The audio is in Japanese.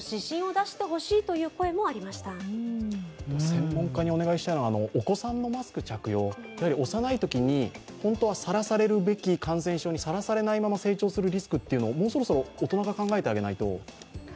専門家にお願いしたいのは、お子さんのマスク着用、幼いときに本当はさらされるべき感染症にさらされないまま成長するリスクを、もうそろそろ考えてあげないと。